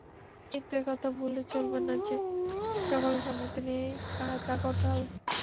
কিন্তু একথা ভুললে চলবে না যে, সকলের সম্মতি নিয়েই তা করতে হবে।